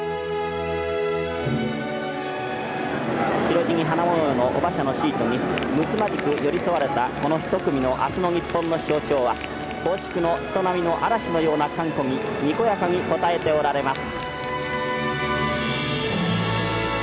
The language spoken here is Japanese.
「白地に花模様の御馬車のシートにむつまじく寄り添われたこの一組の明日の日本の象徴は奉祝の人波の嵐のような歓呼ににこやかに応えておられます」。